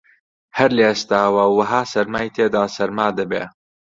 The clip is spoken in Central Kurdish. هەر لە ئێستاوە وەها سەرمای تێدا سەرما دەبێ